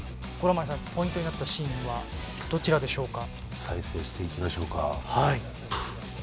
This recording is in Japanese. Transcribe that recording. ポイントになったシーンはどちらでしょうか。